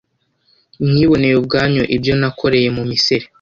mwiboneye ubwanyu ibyo nakoreye mu misiri